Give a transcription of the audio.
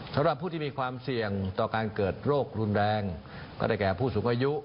สำหรับผู้ที่มีความเสี่ยงต่อการเกิดโรครุนแรงก็ได้แก่ผู้สูงอายุ